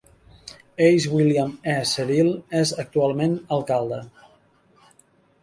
Ace William E. Cerilles és actualment alcalde.